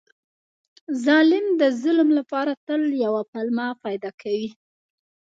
ظالم د ظلم لپاره تل یوه پلمه پیدا کوي.